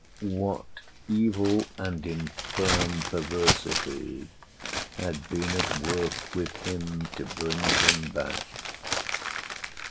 What evil and infirm perversity Had been at work with him to bring him back?